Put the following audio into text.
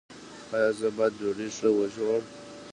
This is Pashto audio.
ایا زه باید ډوډۍ ښه وژووم؟